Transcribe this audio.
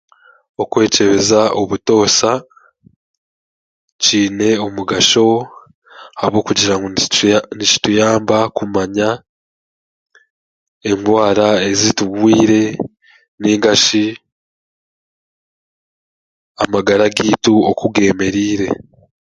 Okwekyebeza obutoosha kiine omugasho ahabwokugira ngu nikituyamba kumanya endwara eziturwaire, nainga shi, amagara gaitu oku geemereire.